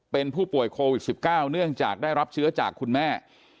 เป็นผู้ป่วยโควิด๑๙เนื่องจากได้รับเชื้อจากคุณแม่